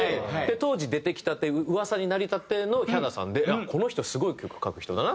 当時出てきたて噂になりたてのヒャダさんでこの人すごい曲書く人だなってなった。